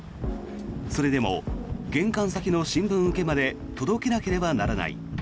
それでも玄関先の新聞受けまで届けなければならない。